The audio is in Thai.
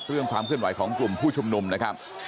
ความเคลื่อนไหวของกลุ่มผู้ชุมนุมนะครับ